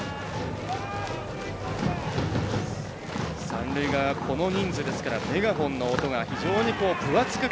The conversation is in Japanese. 三塁側は、この人数ですからメガホンの音が非常に分厚く